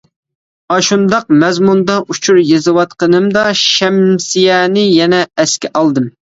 ئاشۇنداق مەزمۇندا ئۇچۇر يېزىۋاتقىنىمدا شەمسىيەنى يەنە ئەسكە ئالدىم.